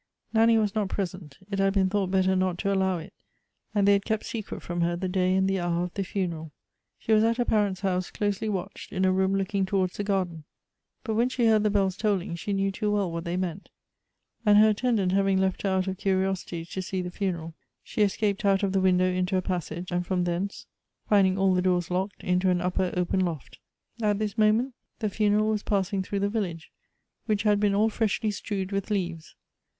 Nanny was not present ; it had been thought better not to allow it, and they had kept secret from her the day and the hour of the funeral. She was at her parents' house, closely watched, in a room looking towards the garden. But when she heard the bolls tolling, she knew too well what they meant ; and her attendant having left her out of curiosity to see the funeral, she escaped out of the window into a passage, and from thence, finding all Elective Affinities. 319 the doors locked, into an upper open loft. At this moment the funeral was passing through the village, which had been all freshly strewed with leaves.